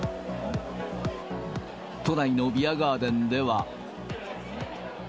都内のビアガーデンでは。